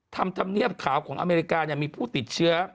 ธรรมเนียบขาวของอเมริกามีผู้ติดเชื้อ